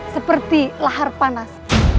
seperti lahar panas